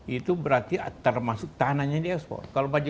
itu berarti termasuk tanahnya yang di ekspor